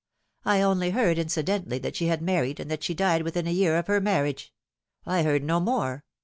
I only heard incidentally that she had mar ried, and that she died within a year of her marriage. I heard no more.